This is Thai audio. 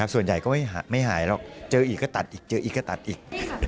ส่วนใหญ่ก็ไม่หายหรอกเจออีกก็ตัดอีกเจออีกก็ตัดอีก